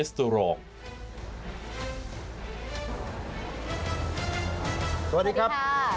สวัสดีครับ